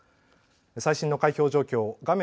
最新の開票状況、画面